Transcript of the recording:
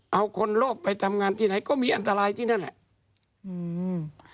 เอาคนโลกไปทำงานที่ไหนก็มีอันตรายที่นั่นแหละอืม